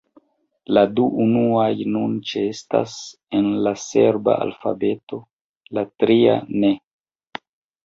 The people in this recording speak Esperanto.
La du unuaj nun ĉeestas en la serba alfabeto, la tria ne.